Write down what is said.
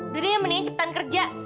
jadi yang mendingnya cepetan kerja